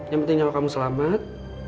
yang penting nyawa kamu selamat